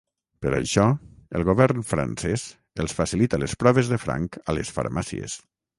Per això, el govern francès els facilita les proves de franc a les farmàcies.